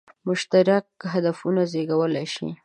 مشترک هدفونه زېږولای شي.